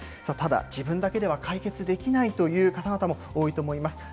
さあ、ただ自分だけでは解決できないという方々も多いと思います。